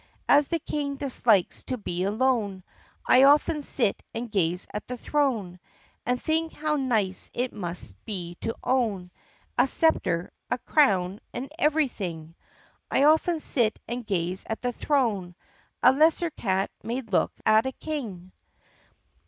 As the King dislikes to be alone I often sit and gaze at the throne And think how nice it must be to own A scepter, a crown, and everything! I often sit and gaze at the throne! A lesser cat may look at a King!